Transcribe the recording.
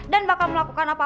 dan bakal melakukan apa apaan